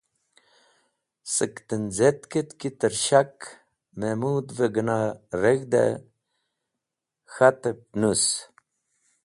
Sẽk tenz̃etket ki tẽr shak mẽmodvẽ gẽna reg̃hdẽ k̃hatẽb nũs.